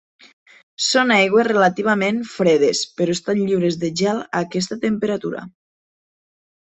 Són aigües relativament fredes però estan lliures de gel a aquesta temperatura.